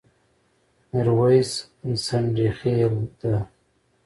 ميرويس ځنډيخيل ډه